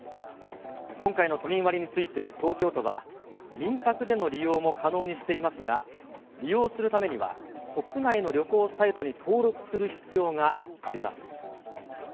今回の都民割について、東京都は、民泊での利用も可能にしていますが、利用するためには国内の旅行サイトに登録する必要があります。